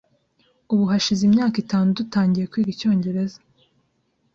Ubu hashize imyaka itanu tutangiye kwiga icyongereza.